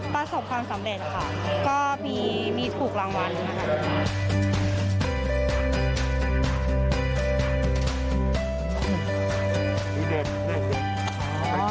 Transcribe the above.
ประสบความสำเร็จค่ะก็มีถูกรางวัลนะคะ